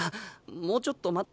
もうちょっと待って。